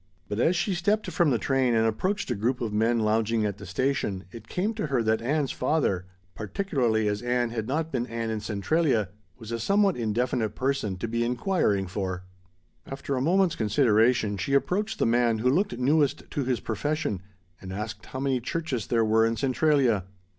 But as she stepped from the train and approached a group of men lounging at the station it came to her that "Ann's father," particularly as Ann had not been Ann in Centralia, was a somewhat indefinite person to be inquiring for. After a moment's consideration she approached the man who looked newest to his profession and asked how many churches there were in Centralia.